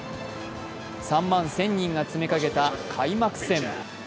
３万１０００人が詰めかけた開幕戦。